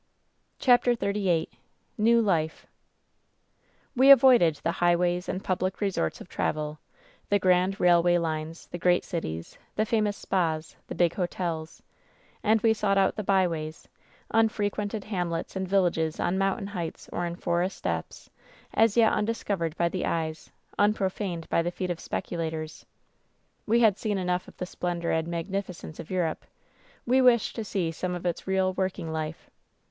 '' 220 WHEN SHADOWS DIE CHAPTER XXXVIII TSTEW LIFE ''We avoided the 'highways' and public resorts of travel — ^the grand railway lines, the great cities, the famous spas, the big hotels, and we sought out the by ways — ^unfrequented hamlets and villages on mountain heights or in forest depths, as yet undiscovered by the eyes, unprof aned by the feet of speculators. "We had seen enough of the splendor and mag nificence of Europe ; we wished to see some of its real, working life.